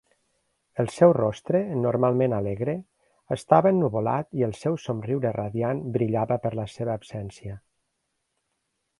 El seu rostre, normalment alegre, estava ennuvolat i el seu somriure radiant brillava per la seva absència.